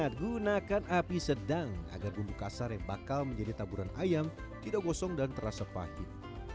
sehat gunakan api sedang agar bumbu kasar yang bakal menjadi taburan ayam tidak gosong dan terasa pahit